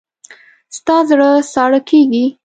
ستا زړه ساړه کېږي.